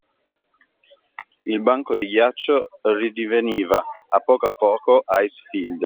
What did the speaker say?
Il banco di ghiaccio ridiveniva a poco a poco ice-field.